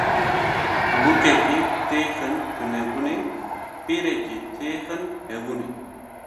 Bûkekî têxin tunebûnê, pîrekî têxin hebûnê